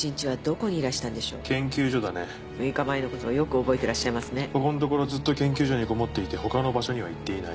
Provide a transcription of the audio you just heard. ここんところずっと研究所にこもっていて他の場所には行っていない。